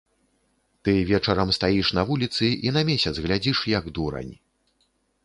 Ты вечарам стаіш на вуліцы і на месяц глядзіш, як дурань.